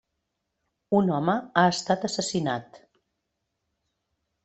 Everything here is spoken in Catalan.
Un home ha estat assassinat.